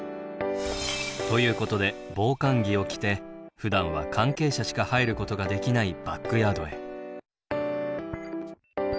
ということで防寒着を着てふだんは関係者しか入ることができないバックヤードへ。